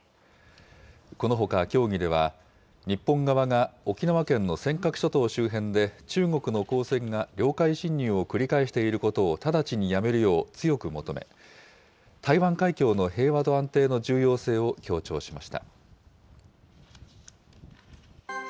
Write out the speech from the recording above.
このほか協議では、日本側が沖縄県の尖閣諸島周辺で中国の公船が領海侵入を繰り返していることを直ちにやめるよう強く求め、台湾海峡の平和と安定の重要性を強調しました。